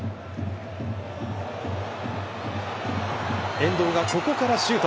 遠藤がここからシュート。